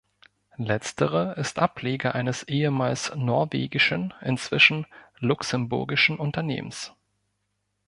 Letztere ist Ableger eines ehemals norwegischen, inzwischen luxemburgischen Unternehmens.